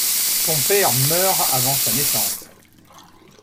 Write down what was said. Son père meurt avant sa naissance.